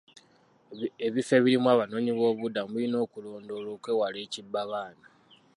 Ebifo ebirimu abanoonyiboobubudamu birina okulondoolwa okwewala ekibbabaana.